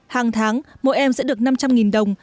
hàng tháng mỗi em sẽ được năm trăm linh đồng